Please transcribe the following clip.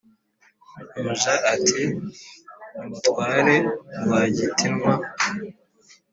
umuja ati"numutware rwagitinwa